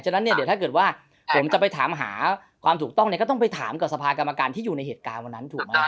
นั้นเนี่ยเดี๋ยวถ้าเกิดว่าผมจะไปถามหาความถูกต้องเนี่ยก็ต้องไปถามกับสภากรรมการที่อยู่ในเหตุการณ์วันนั้นถูกไหม